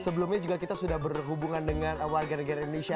sebelumnya juga kita sudah berhubungan dengan warga negara indonesia